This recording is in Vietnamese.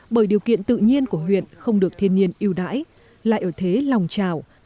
bởi điều kiện tự nhiên của huyện không được thiên nhiên yêu đãi lại ở thế lòng trào